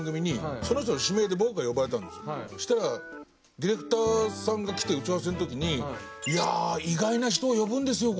そしたらディレクターさんが来て打ち合わせの時に「いや意外な人を呼ぶんですよ